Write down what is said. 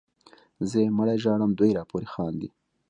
زه یې مړی ژاړم دوی راپورې خاندي